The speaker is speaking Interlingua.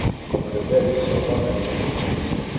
Comprender isto non es simple.